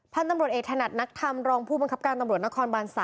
พันธุ์ตำรวจเอกถนัดนักธรรมรองผู้บังคับการตำรวจนครบาน๓